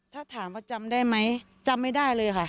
ถ้าถามว่าจำได้ไหมจำไม่ได้เลยค่ะ